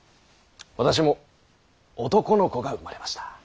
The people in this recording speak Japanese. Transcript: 私も男の子が生まれました。